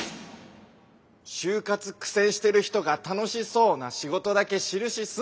就活苦戦してる人が楽しそうな仕事だけ印すな！